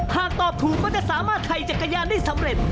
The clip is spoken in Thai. หากตอบถูกก็จะสามารถไถ่จักรยานได้สำเร็จ